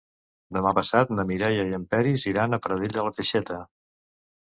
Demà passat na Mireia i en Peris iran a Pradell de la Teixeta.